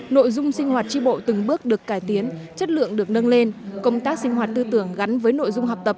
nội dung sinh hoạt tri bộ từng bước được cải tiến chất lượng được nâng lên công tác sinh hoạt tư tưởng gắn với nội dung học tập